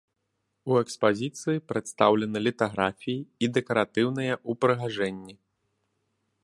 У экспазіцыі прадстаўлены літаграфіі і дэкаратыўныя ўпрыгажэнні.